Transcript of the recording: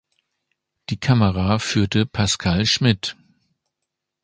Die Kamera führte Pascal Schmit.